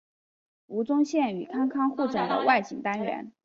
吴宗宪与康康互整的外景单元。